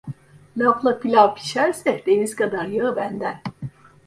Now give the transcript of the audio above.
Lafla pilav pişerse deniz kadar yağı benden.